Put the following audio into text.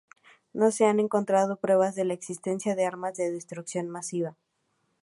No se han encontrado pruebas de la existencia de armas de destrucción masiva.